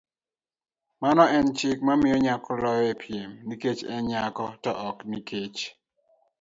mano en chik mamiyo nyako loyo e piem nikech en nyako, to ok nikech